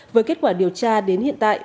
với kết quả điều tra đến hiện tại